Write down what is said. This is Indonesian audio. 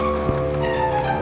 gak ada apa apa